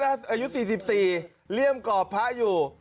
อายุ๔๔เลี่ยมกรอบพระอยู่